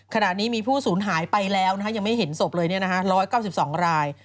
ขณะนี้มีผู้ศูนย์หายไปแล้วนะคะยังไม่เห็นศพเลยเนี่ยนะฮะ๑๙๒ราย